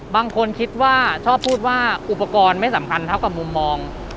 บางคนคิดว่าชอบพูดว่าอุปกรณ์ไม่สำคัญเท่ากับมุมมอง